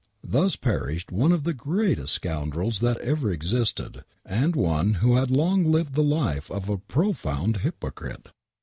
Thus perished one of the greatest scoundrels that ever existed and one who had long lived the life of a profound hypocrite.